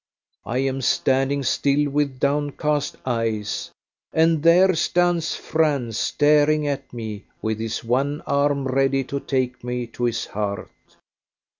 I am standing still, with downcast eyes, and there stands Franz staring at me, with his one arm ready to take me to his heart.